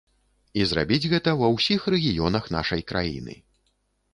І зрабіць гэта ва ўсіх рэгіёнах нашай краіны.